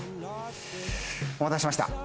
お待たせしました。